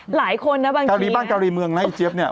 หลายคนนะบางทีบ้านเกาหลีเมืองนะไอ้เจี๊ยบเนี่ย